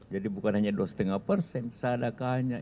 jadi bukan hanya dua lima sadakanya